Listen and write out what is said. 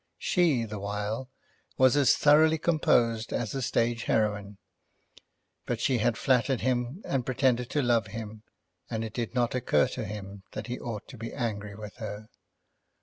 She, the while, was as thoroughly composed as a stage heroine. But she had flattered him and pretended to love him, and it did not occur to him that he ought to be angry with her.